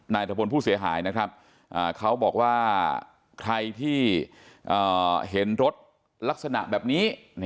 ทะพลผู้เสียหายนะครับเขาบอกว่าใครที่เห็นรถลักษณะแบบนี้